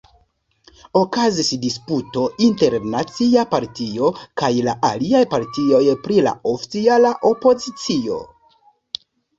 Okazis disputo inter la Nacia Partio kaj la aliaj partioj pri la oficiala opozicio.